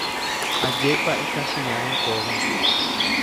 Ajépa ikachiãi kóva.